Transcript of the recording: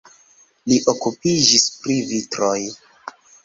Li okupiĝis pri vitroj.